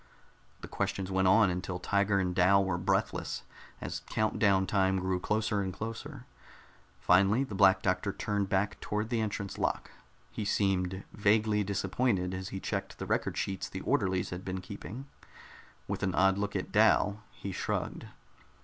The questions went on until Tiger and Dal were breathless, as count down time grew closer and closer. Finally the Black Doctor turned back toward the entrance lock. He seemed vaguely disappointed as he checked the record sheets the orderlies had been keeping. With an odd look at Dal, he shrugged.